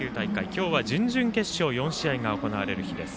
今日は準々決勝４試合が行われる日です。